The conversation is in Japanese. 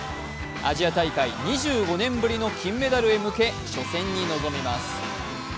アジア大会２５年ぶりの金メダルへ向け初戦に臨みます。